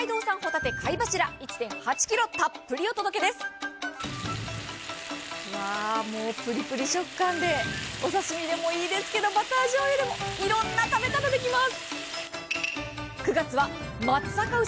ぷりぷり食感で、お刺身でもいいですけど、バターじょうゆでいろんな食べ方できます。